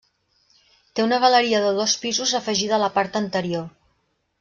Té una galeria de dos pisos afegida a la part anterior.